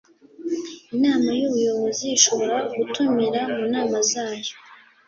inama y’ubuyobozi ishobora gutumira mu nama zayo